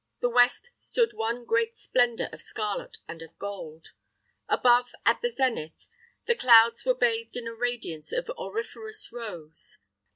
The west stood one great splendor of scarlet and of gold. Above, at the zenith, the clouds were bathed in a radiance of auriferous rose.